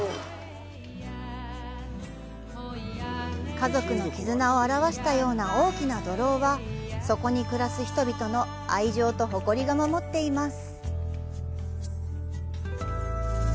家族の絆を表わしたような大きな土楼は、そこに暮らす人々の愛情と誇りが守っています。